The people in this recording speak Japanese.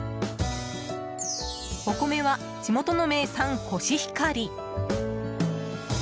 お米は地元の名産コシヒカリ。